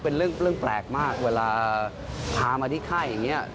เป็นเรื่องแปลกมากเวลาพามาที่ค่ายอย่างนี้